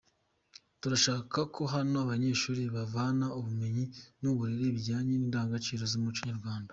Turashaka ko hano abanyeshuri bahavana ubumenyi n’uburere bijyanye n’indangagaciro z’umuco nyarwanda.